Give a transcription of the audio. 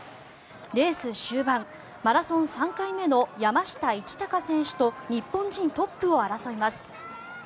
レース終盤マラソン３回目の山下一貴選手と日本人トップを争います。